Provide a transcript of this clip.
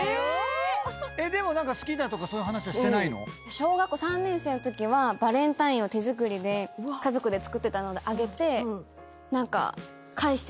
小学校３年生のときはバレンタインを手作りで家族で作ってたのであげて何か返してくれました。